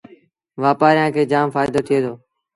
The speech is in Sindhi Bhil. وآپآريآݩ کي جآم ڦآئيٚدو ٿئي دو